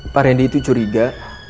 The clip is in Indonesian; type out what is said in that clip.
pak randy itu curiga